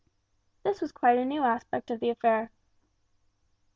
This was quite a new aspect of the affair.